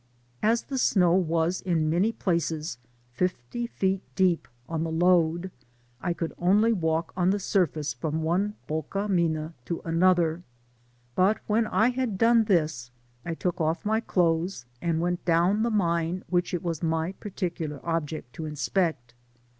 As the snow was in many places fifty feet deep on the fode, I could only walk on the surface from one boca mina to another ; but when I had done this, I took off* my clothes, and went down the mine which it was my particular object to in spect.